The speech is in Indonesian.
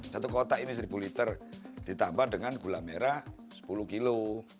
satu kotak ini seribu liter ditambah dengan gula merah sepuluh kilo